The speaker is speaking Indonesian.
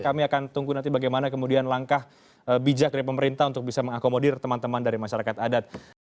kami akan tunggu nanti bagaimana kemudian langkah bijak dari pemerintah untuk bisa mengakomodir teman teman dari masyarakat adat